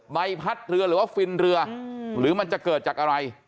ใบพัดเรือหรือว่าฟินเรือหรือมันจะเกิดจากอะไร